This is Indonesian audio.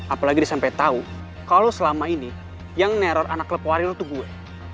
apalagi dia sampai tau kalau selama ini yang neror anak klub warian lo tuh gue